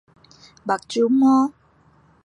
目睭膜